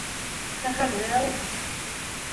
Сәхәрҙә үк...